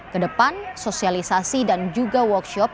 kedepan sosialisasi dan juga workshop